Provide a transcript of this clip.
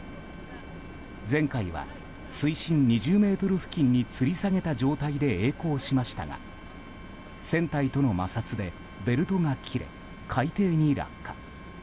前回は水深２０ｍ付近につり下げた状態で曳航しましたが船体との摩擦でベルトが切れ、海底に落下。